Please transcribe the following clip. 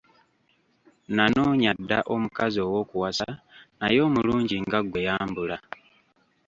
Nanoonya dda omukazi ow’okuwasa, naye omulungi nga ggwe yambula!